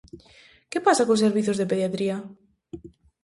Que pasa cos servizos de pediatría?